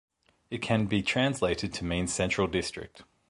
It can be translated to mean central district.